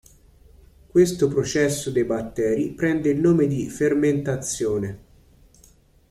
Questo processo dei batteri prende il nome di "fermentazione".